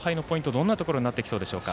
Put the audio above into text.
どんなところになってきそうでしょうか。